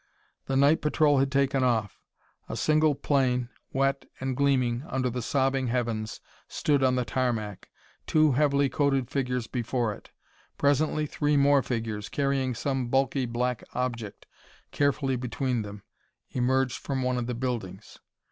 The night patrol had taken off. A single plane, wet and gleaming under the sobbing heavens, stood on the tarmac, two heavily coated figures before it. Presently three more figures, carrying some bulky black object carefully between them, emerged from one of the buildings.